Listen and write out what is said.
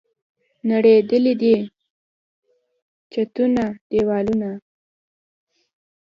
نړېدلي دي چتونه، دیوالونه